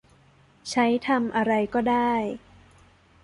ใช้ทำอะไรก็ได้